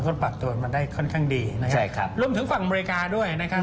ปรับตัวมาได้ค่อนข้างดีนะครับใช่ครับรวมถึงฝั่งอเมริกาด้วยนะครับ